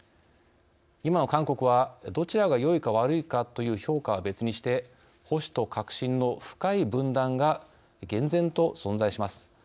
今の韓国は、どちらがよいか悪いかという評価は別にして保守と革新の深い分断が厳然と存在します。